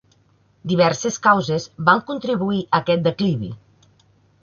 Diverses causes van contribuir a aquest declivi.